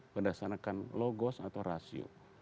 berdasarkan logos atau rasio